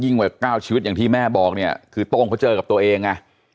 ยิ่งกว่าก้าวชีวิตอย่างที่แม่บอกคือโต้งเขาเจอกับตัวเอง